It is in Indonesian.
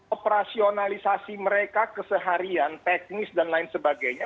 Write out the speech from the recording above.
operasionalisasi mereka keseharian teknis dan lain sebagainya